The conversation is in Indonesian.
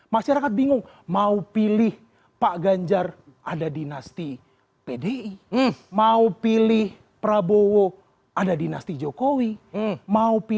masyarakat bingung mau pilih pak ganjar ada dinasti pdi mau pilih prabowo ada dinasti jokowi mau pilih